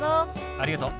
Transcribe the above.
ありがとう。